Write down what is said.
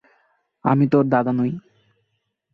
আমি তো ওর দাদা নই।